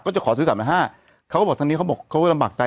จะขอซื้อสามพันห้าเขาก็บอกทางนี้เขาบอกเขาก็ลำบากใจ